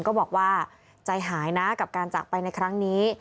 ก็บอกว่าใจหายนะกับการจากไปในครั้งนี้